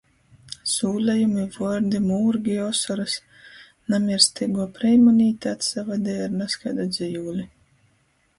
Sūlejumi, vuordi, mūrgi i osorys. Namiersteiguo Preimanīte atsavadeja ar nazkaidu dzejūli.